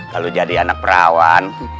kalau jadi anak perawan